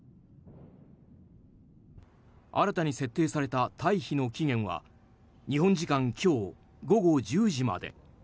新たに設定された退避の期限は日本時間今日午後１０時まで。